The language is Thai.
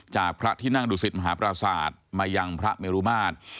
พระที่นั่งดุสิตมหาปราศาสตร์มายังพระเมรุมาตร